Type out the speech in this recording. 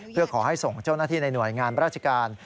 เพื่อขอให้ส่งเจ้าหน้าที่ในหน่วยงานราชการ